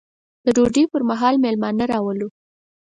د ډوډۍ پر مهال مېلمانه راولو.